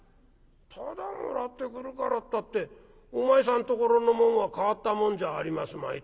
「ただもらってくるからったってお前さんところの紋は変わった紋じゃありますまい。